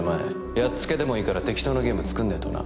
やっつけでもいいから適当なゲーム作んねえとな